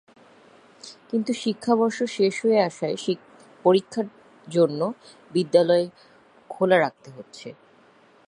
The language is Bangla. কিন্তু শিক্ষাবর্ষ শেষ হয়ে আসায় পরীক্ষার জন্য বিদ্যালয় খোলা রাখতে হচ্ছে।